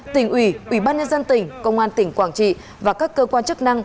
tỉnh ủy ủy ban nhân dân tỉnh công an tỉnh quảng trị và các cơ quan chức năng